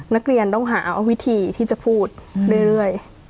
นักเรียนต้องหาวิธีที่จะพูดเรื่อย